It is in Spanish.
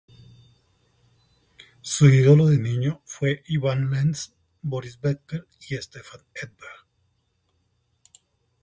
Su ídolo de niño fue Ivan Lendl, Boris Becker y Stefan Edberg.